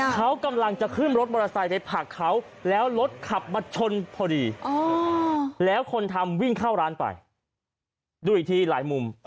เขากำลังจะขึ้นรถมอเตอร์ไซค์ไปผลักเขาแล้วรถขับมาชนพอดีแล้วคนทำวิ่งเข้าร้านไปดูอีกทีหลายมุม